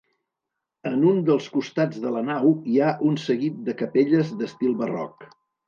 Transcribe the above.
En un dels costats de la nau hi ha un seguit de capelles d'estil barroc.